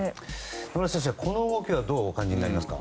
野村先生、この動きはどうお感じになりますか？